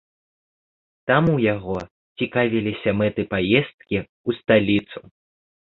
Там у яго цікавіліся мэтай паездкі ў сталіцу.